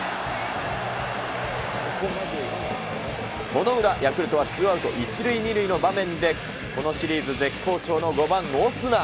その裏、ヤクルトはツーアウト１塁２塁の場面で、このシリーズ絶好調の５番オスナ。